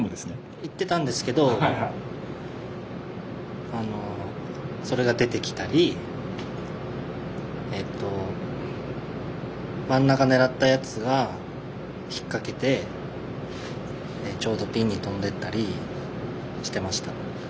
いってたんですけどもそれが出てきたり真ん中狙ったやつが、引っ掛けてちょうどピンに飛んでいったりしていました。